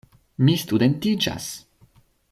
Mi studentiĝas!